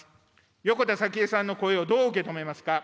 横田早紀江さんの声をどう受け止めますか。